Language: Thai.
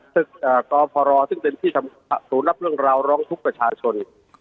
ตึกกพรซึ่งเป็นที่ศูนย์รับเรื่องราวร้องทุกข์ประชาชน